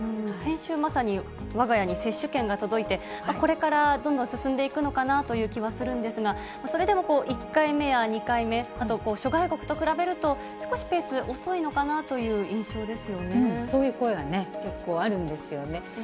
先週、まさにわが家に接種券が届いて、これからどんどん進んでいくのかなという気はするんですが、それでも１回目や２回目、あと諸外国と比べると、少しペース、そういう声は結構あるんですよね。